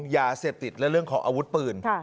ยาเสพติดและเรื่องของอาวุธปืน